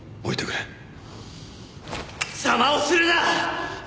邪魔をするな！